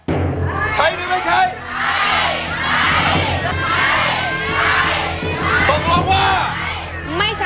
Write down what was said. ใช้หรือไม่ใช้